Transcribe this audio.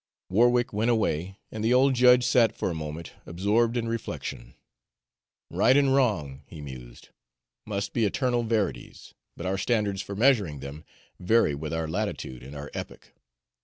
Warwick went away, and the old judge sat for a moment absorbed in reflection. "Right and wrong," he mused, "must be eternal verities, but our standards for measuring them vary with our latitude and our epoch.